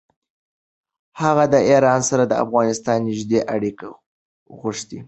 هغه د ایران سره د افغانستان نېږدې اړیکې غوښتې.